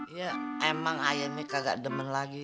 ya emang ayah ini kagak demen lagi